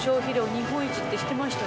日本一って知ってました？